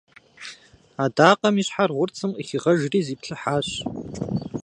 Адакъэм и щхьэр гъурцым къыхигъэжри зиплъыхьащ.